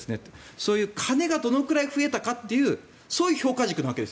そういう金がどのくらい増えたかというそういう評価軸なわけです。